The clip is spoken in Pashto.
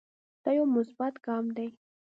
دا يو مثبت ګام دے